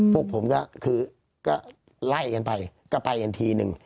พวกผมก็คือก็ไล่กันไปก็ไปกันทีนึง